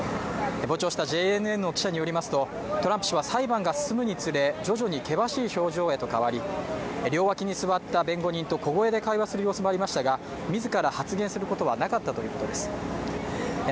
傍聴したＪＮＮの記者によりますとトランプ氏は裁判が進むにつれ徐々に険しい表情へと変わり両脇に座った弁護人と小声で会話する様子もありましたが、自ら発言することはなかったということです。